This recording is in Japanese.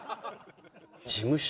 事務所？